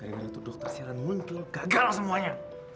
dari mana tuh dokter sialan mungkil gagal semuanya